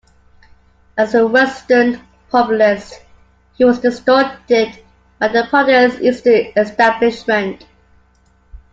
As a western populist, he was distrusted by the party's eastern establishment.